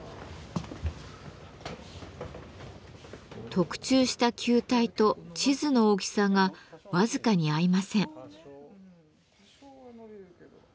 特注した球体と地図の大きさが僅かに合いません。